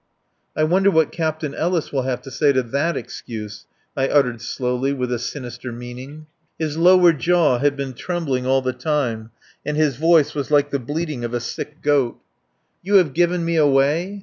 "I wonder what Captain Ellis will have to say to that excuse," I uttered slowly with a sinister meaning. His lower jaw had been trembling all the time and his voice was like the bleating of a sick goat. "You have given me away?